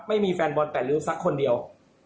ไม่มีแฟนบอลแต่ลื้อสักคนเดียว